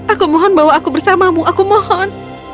aku mohon bawa aku bersamamu aku mohon